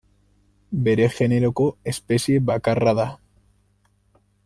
Bere generoko espezie bakarra da.